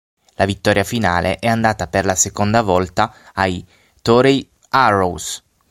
La vittoria finale è andata per la seconda volta ai Toray Arrows.